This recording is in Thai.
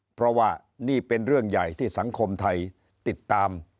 เพราะว่านี่เป็นเรื่องใหญ่ที่สังคมไทยติดตาม